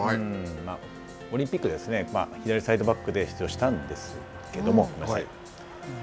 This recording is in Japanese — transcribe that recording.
オリンピックで左サイドバックで出場したんですけども。